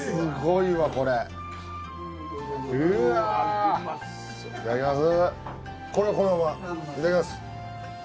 いただきます。